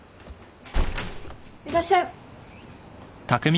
・いらっしゃい。